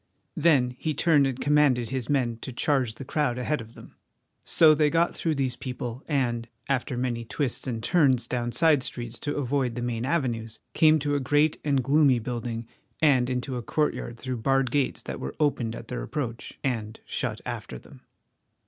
Then he turned and commanded his men to charge the crowd ahead of them. So they got through these people and, after many twists and turns down side streets to avoid the main avenues, came to a great and gloomy building and into a courtyard through barred gates that were opened at their approach and shut after them.